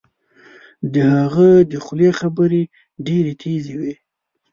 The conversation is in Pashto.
د هغه د خولې خبرې ډیرې تېزې وې